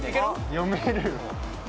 ・読めるの？